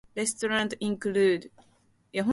Restaurants include Prezzo, Wagamama, Yo!